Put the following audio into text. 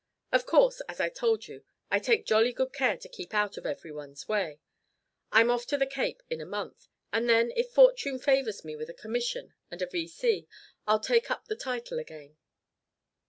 Of course, as I told you, I take jolly good care to keep out of everyone's way. I'm off to the Cape in a month, and then if Fortune favors me with a commission and a V.C. I'll take up the title again."